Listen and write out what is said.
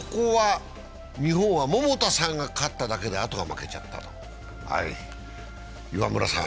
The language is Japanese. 日本は桃田さんが勝っただけであとが負けちゃった。